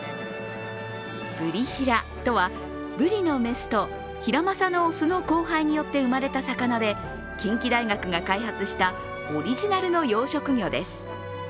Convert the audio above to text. ブリヒラとはブリの雌とヒラマサの雄の交配によって生まれた魚で近畿大学が開発したオリジナルの養殖魚です。